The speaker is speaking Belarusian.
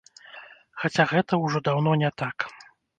Хаця гэта ўжо даўно не так.